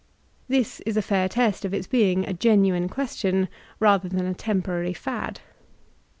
This is a fair test of its being a genuine question, rather than a temporary fad.